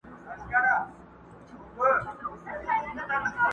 له نړۍ څخه يې بېل وه عادتونه؛